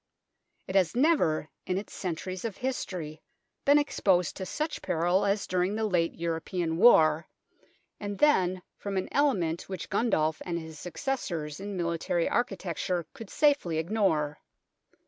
It has never in its centuries of history been exposed to such peril as during the late European War, and then from an element which Gundulf and his successors in military architecture could safely ignore.